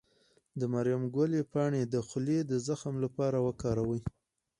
د مریم ګلي پاڼې د خولې د زخم لپاره وکاروئ